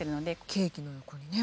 ケーキの横にね。